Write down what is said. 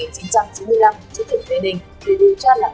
chủ tịch tây ninh để điều tra làm rõ hạng kỳ lừa đảo chiếm phạt tài sản